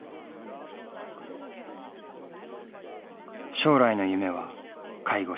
将来の夢は介護士。